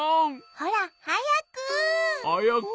ほらはやく。